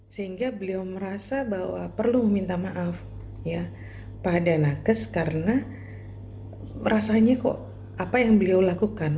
sehingga beliau merasa bahwa perlu meminta maaf ya pada nakes karena merasanya kok apa yang beliau lakukan